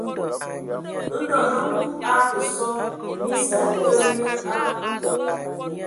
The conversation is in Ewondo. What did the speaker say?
Ndɔ nnom Kub a kǝ sɔ, mis mǝ kǝǝ nye a.